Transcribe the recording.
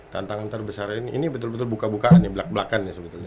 tantangan terbesarnya ini betul betul buka bukaan ya belak belakan ya sebetulnya